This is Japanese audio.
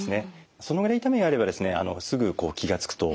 そのぐらい痛みがあればすぐ気が付くと思うんですね。